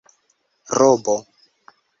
robo